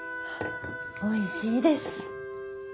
おいしいです。